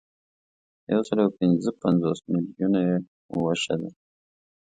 یوسلاوپینځهپنځوس میلیونه یې وچه ده.